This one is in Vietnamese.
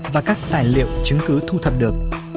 và các tài liệu chứng cứ thu thập được